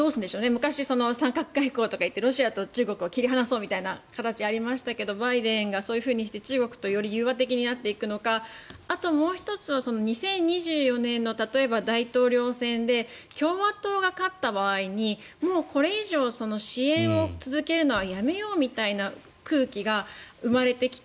昔、三角外交とかって言ってロシアと中国を切り離しましょうみたいな形がありましたがバイデンがそういうふうにして中国とより融和的になっていくのかあるいは２０２４年の例えば大統領選で共和党が勝った場合にもうこれ以上支援を続けるのはやめようみたいな空気が生まれてきて